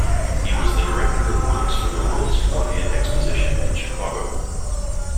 He was the Director of Works for the World's Columbian Exposition in Chicago.